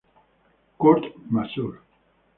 Kurt Masur.